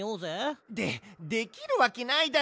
でできるわけないだろ。